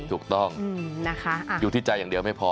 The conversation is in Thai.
ถูกต้องนะคะอยู่ที่ใจอย่างเดียวไม่พอ